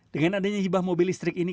dengan adanya hibah mobil listrik ini